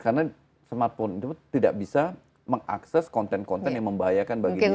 karena smartphone itu tidak bisa mengakses konten konten yang membahayakan bagi dirinya